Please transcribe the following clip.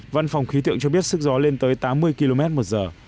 văn phòng khí tượng cho biết sức gió lên tới tám mươi km một giờ